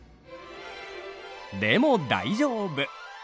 でも大丈夫。